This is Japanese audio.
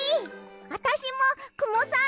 あたしもくもさん